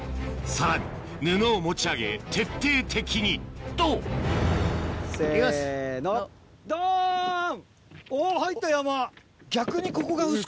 さらに布を持ち上げ徹底的にとせのドン！